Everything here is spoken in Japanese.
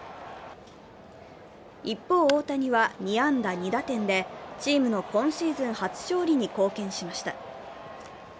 一方、大谷は２安打２打点でチームの今シーズン初勝利に貢献しました。